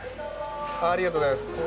ありがとうございます。